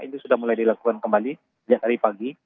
ini sudah mulai dilakukan kembali dari pagi